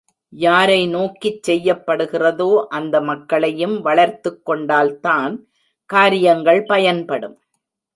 யாரை நோக்கிச் செய்யப்படுகிறதோ அந்த மக்களையும் வளர்த்துக் கொண்டால்தான் காரியங்கள் பயன்படும்.